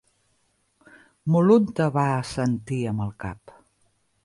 Moluntha va assentir amb el cap.